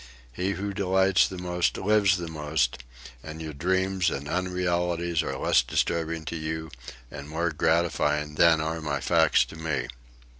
He who delights the most lives the most, and your dreams and unrealities are less disturbing to you and more gratifying than are my facts to me."